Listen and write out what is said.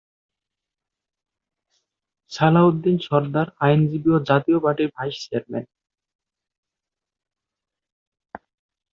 সালাউদ্দিন সরদার আইনজীবী ও জাতীয় পার্টির ভাইস চেয়ারম্যান।